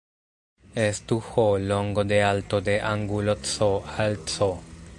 Estu "h" longo de alto de angulo "C" al "c".